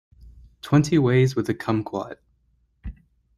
Twenty ways with a kumquat.